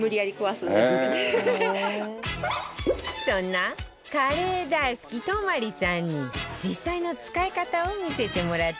そんなカレー大好き泊さんに実際の使い方を見せてもらったわよ